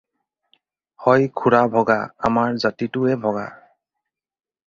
হয় খুড়া ভগা, আমাৰ জাতিটোৱে ভগা।